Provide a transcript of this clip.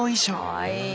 かわいい。